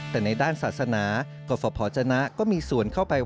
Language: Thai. แต่ในด้านศาสนากรฟพจนะก็มีส่วนเข้าไป